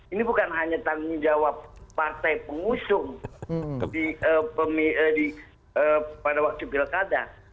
ini bukan hanya tanggung jawab partai pengusung pada waktu pilkada